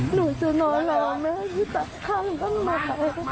หนูจะรอหลอกแม่ที่ตัดข้างกันใหม่